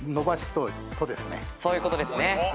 そういうことですね。